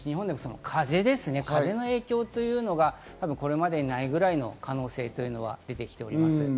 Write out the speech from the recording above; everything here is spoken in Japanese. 特に風の影響というのがこれまでないくらいの可能性というのが出てきております。